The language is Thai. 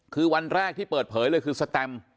คือวันแรกที่เปิดเผยเลยคือสแตม